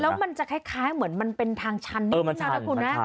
แล้วมันจะคล้ายเหมือนมันเป็นทางชันนิดนึงนะคุณนะ